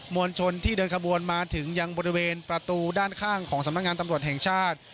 วลชนที่เดินขบวนมาถึงยังบริเวณประตูด้านข้างของสำนักงานตำรวจแห่งชาติ